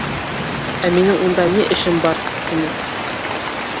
— Ә минең унда ни эшем бар? — тине.